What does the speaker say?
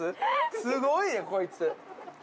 すごいなこいつ。